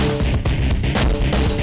nggak akan ngediam nih